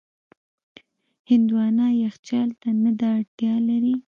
هندوانه یخچال ته نه ده اړتیا لري.